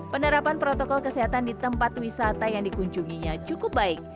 penerapan protokol kesehatan di tempat wisata yang dikunjunginya cukup baik